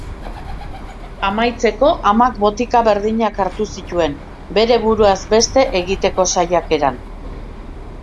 Amaitzeko amak botika berdinak hartu zituen, bere buruaz beste egiteko saiakeran.